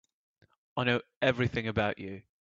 I know everything about you.